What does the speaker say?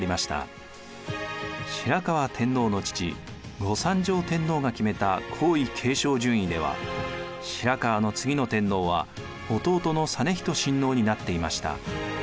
白河天皇の父後三条天皇が決めた皇位継承順位では白河の次の天皇は弟の実仁親王になっていました。